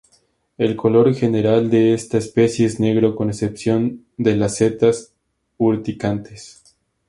El color general de esta especie es negro con excepción de las setas urticantes.